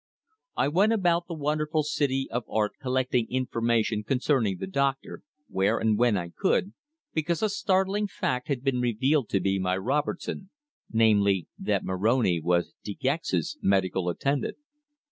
I went about the wonderful city of art collecting information concerning the doctor, where and when I could, because a startling fact had been revealed to me by Robertson, namely, that Moroni was De Gex's medical attendant.